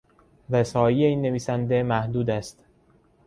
رسایی این نویسنده محدود است.